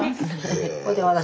ほいで私